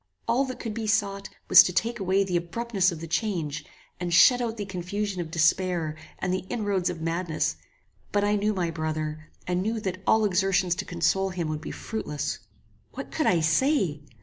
All that could be sought was to take away the abruptness of the change, and shut out the confusion of despair, and the inroads of madness: but I knew my brother, and knew that all exertions to console him would be fruitless. What could I say?